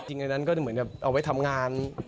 จริงอันนั้นก็เหมือนแบบเอาไว้ทำงาน